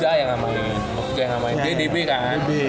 jogja yang namanya jadi udb kan